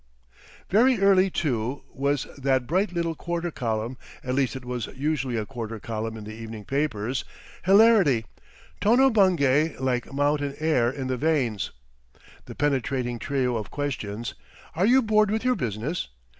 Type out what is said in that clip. Very early, too, was that bright little quarter column, at least it was usually a quarter column in the evening papers: "HILARITY—Tono Bungay. Like Mountain Air in the Veins." The penetrating trio of questions: "Are you bored with your Business?